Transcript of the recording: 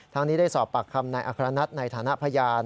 นี้ได้สอบปากคำนายอัครนัทในฐานะพยาน